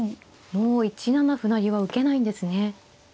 もう１七歩成は受けないんですね。